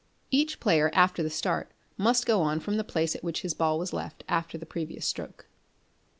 Each player, after the start, must go on from the place at which his ball was left after the previous stroke.